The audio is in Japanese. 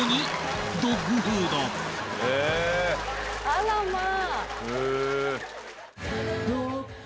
あらまぁ。